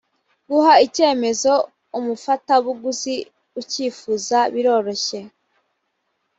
guha icyemezo umufatabuguzi ucyifuza biroroshye.